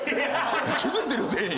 気付いてるよ全員。